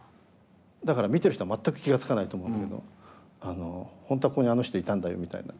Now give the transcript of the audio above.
だから見てる人は全く気が付かないと思うけど本当はここにあの人いたんだよみたいな。